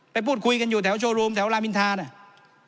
ไปพูดคุยกันอยู่แถวโชว์รูมแถวรามินทานอ่ะ